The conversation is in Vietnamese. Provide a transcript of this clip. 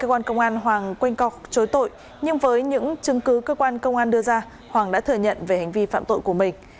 cơ quan công an hoàng quênh cọc chối tội nhưng với những chứng cứ cơ quan công an đưa ra hoàng đã thừa nhận về hành vi phạm tội của mình